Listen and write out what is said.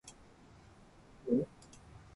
aiueo